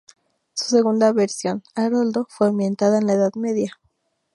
Su segunda versión, "Aroldo", fue ambientada en la Edad Media.